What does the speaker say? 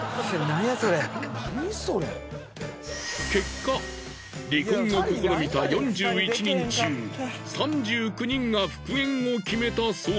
結果離婚を試みた４１人中３９人が復縁を決めたそうです。